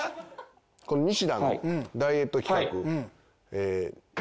このニシダのダイエット企画。